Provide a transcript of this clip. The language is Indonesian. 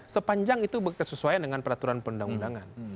sepanjang itu tersesuaian dengan peraturan undang undangan